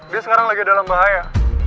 dia sekarang lagi dalam bahaya